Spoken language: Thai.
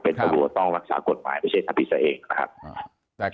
เป็นสรุปต้องรักษากฎหมายไม่ใช่ทัพพิษเองนะครับอ่า